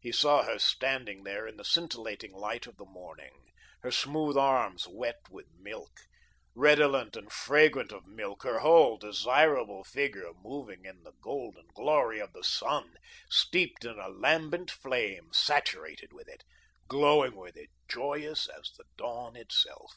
He saw her standing there in the scintillating light of the morning, her smooth arms wet with milk, redolent and fragrant of milk, her whole, desirable figure moving in the golden glory of the sun, steeped in a lambent flame, saturated with it, glowing with it, joyous as the dawn itself.